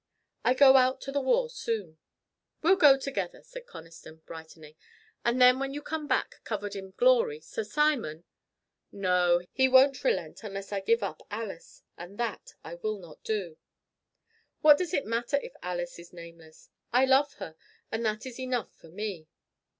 I go out to the war soon." "We'll go together," said Conniston, brightening, "and then when you come back covered with glory, Sir Simon " "No. He won't relent unless I give up Alice, and that I will not do. What does it matter if Alice is nameless? I love her, and that is enough for me!"